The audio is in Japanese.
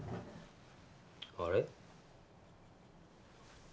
あれ？